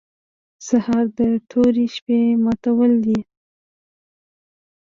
سهار د تورې شپې ماتول دي.